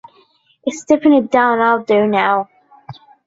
It's tipping it down out there now.